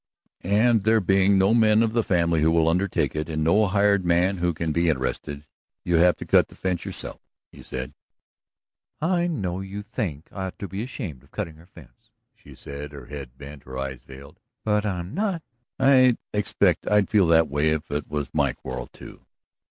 "And there being no men of the family who will undertake it, and no hired men who can be interested, you have to cut the fence yourself," he said. "I know you think I ought to be ashamed of cutting her fence," she said, her head bent, her eyes veiled, "but I'm not." "I expect I'd feel it that way if it was my quarrel, too."